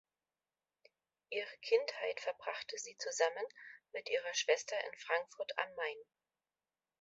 Ihre Kindheit verbrachte sie zusammen mit ihrer Schwester in Frankfurt am Main.